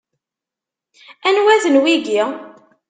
Anwa-ten wigi?